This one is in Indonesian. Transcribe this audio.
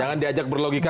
jangan diajak berlogika